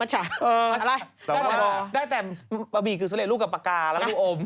หรือเสร็จลูกกับปากกาแล้วก็ลูกอม